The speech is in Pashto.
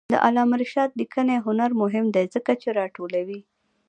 د علامه رشاد لیکنی هنر مهم دی ځکه چې راټولوي.